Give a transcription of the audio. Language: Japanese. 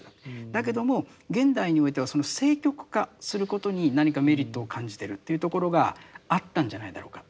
だけども現代においてはその政局化することに何かメリットを感じてるというところがあったんじゃないだろうか。